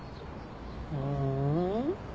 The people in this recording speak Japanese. ふん。